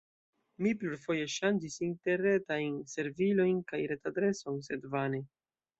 Mi plurfoje ŝanĝis interretajn servilon kaj retadreson, sed vane.